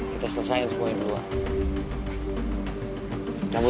kita selesain semuanya dulu